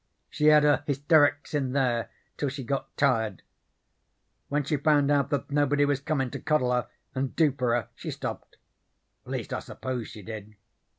She had her hysterics in there till she got tired. When she found out that nobody was comin' to coddle her and do for her she stopped. At least I suppose she did.